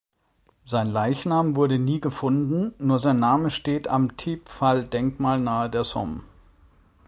Sein Leichnam wurde nie gefunden, nur sein Name steht am Thiepval-Denkmal, nahe der Somme.